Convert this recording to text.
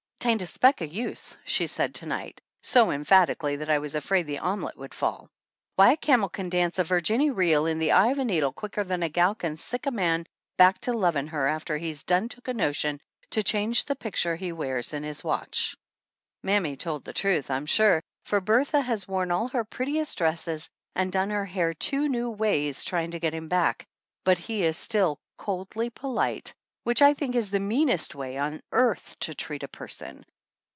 " 'Tain't a speck o' use," she said to night so emphatically that I was afraid the omelette would fall. "Why, a camel can dance a Virginny reel in the eye of a needle quicker than a gal can sick a man back to lovin' her after he's done took a notion to change the picture he wears in his watch!" Mammy told the truth, I'm sure, for Bertha has worn all her prettiest dresses and done her hair two new ways, trying to get him back ; but he is still "coldly polite," which I think is the meanest way on earth to treat a person.